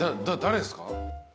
誰ですか？